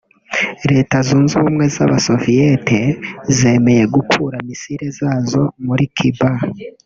Leta Zunze ubumwe z’abasoviyete zemeye gukura misile zazo muri Cuba